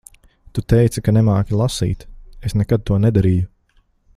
Tu teici ka nemāki lasīt. Es nekad to nedarīju.